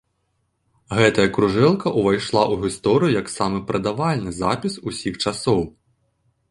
Гэтая кружэлка ўвайшла ў гісторыю як самы прадавальны запіс усіх часоў.